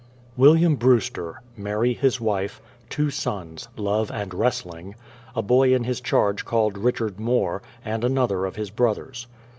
WILLIAM BREWSTER; Mary, his wife; two sons, Love and Wrestling; a boy in his charge called Richard More, and another of his brothers.